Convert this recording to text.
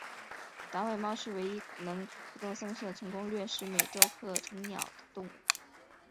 短尾猫可能是唯一能不动声色成功掠食美洲鹤成鸟的动物。